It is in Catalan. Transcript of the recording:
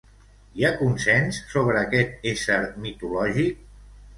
Hi ha consens sobre aquest ésser mitològic?